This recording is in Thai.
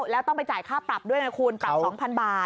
แล้วต้องไปจ่ายค่าปรับด้วยไงคุณปรับ๒๐๐บาท